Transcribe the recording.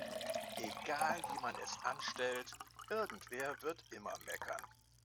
Egal wie man es anstellt, irgendwer wird immer meckern.